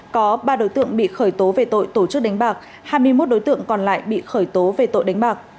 có ba đối tượng bị khởi tố về tội tổ chức đánh bạc hai mươi một đối tượng còn lại bị khởi tố về tội đánh bạc